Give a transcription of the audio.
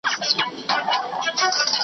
دلته هرڅه سودا کیږي څه بازار ته یم راغلی .